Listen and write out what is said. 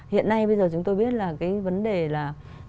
hiện nay bây giờ chúng tôi biết là cái vấn đề là